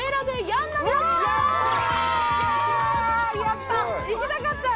やった！